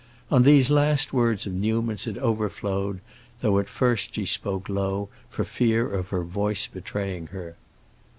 On these last words of Newman's it overflowed, though at first she spoke low, for fear of her voice betraying her.